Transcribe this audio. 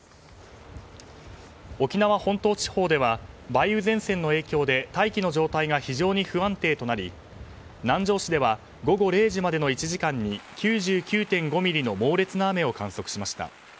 沖縄本島地方では梅雨前線の影響で大気の状態が非常に不安定となり南城市では午後０時までの１時間に９９．５ミリの猛烈な雨を観測しました。